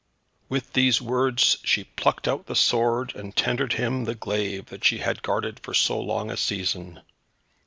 With these words she plucked out the sword, and tendered him the glaive that she had guarded for so long a season.